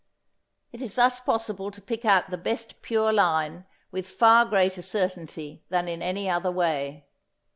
It is thus possible to pick out the best pure line with far greater certainty than in any other way.